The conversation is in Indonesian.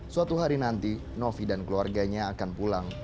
suatu hari nanti novi dan keluarganya akan pulang